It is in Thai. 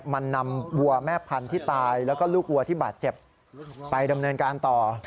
มันนำวัวแม่พันธุ์ที่ตายแล้วก็ลูกวัวที่บาดเจ็บไปดำเนินการต่อ